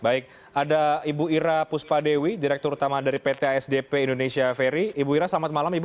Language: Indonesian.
baik ada ibu ira puspadewi direktur utama dari pt asdp indonesia ferry ibu ira selamat malam ibu